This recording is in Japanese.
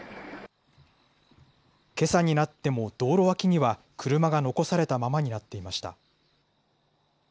けさになっても道路脇には、車が残されたままになっていました。